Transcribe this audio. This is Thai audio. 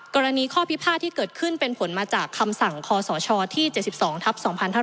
กรณีข้อพิพาทที่เกิดขึ้นเป็นผลมาจากคำสั่งคศที่๗๒ทัพ๒๕๕๙